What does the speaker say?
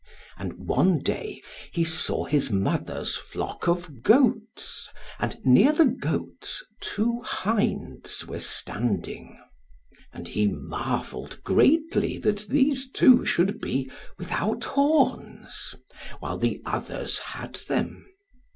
And one day he saw his mother's flock of goats, and near the goats two hinds were standing. And he marvelled greatly that these two should be without horns, while the others had them.